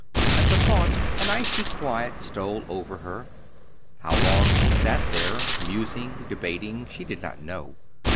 At the thought an icy quiet stole over her. How long she sat there, musing, debating, she did not know.